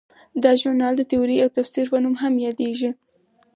دا ژورنال د تیورۍ او تفسیر په نوم هم یادیږي.